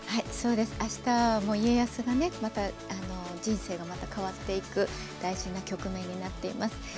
明日、家康がまた人生が変わっていく大事な局面になっています。